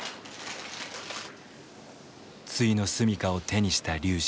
ついの住みかを手にした龍司。